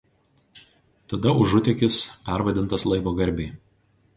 Tada užutėkis pervadintas laivo garbei.